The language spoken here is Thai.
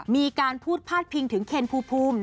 มีการพูดพาดพิงถึงเคนภูมิ